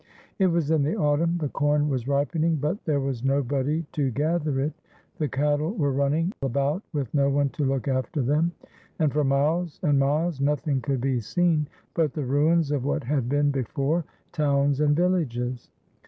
It was in the autumn, the corn was ripening, but there was nobody to gather it; the cattle were running about with no one to look after them, and for miles and miles, nothing could be seen but the ruins of what had been before towns and villages.